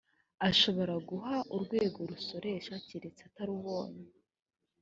ashobora guha urwego rusoresha keretse atarubonye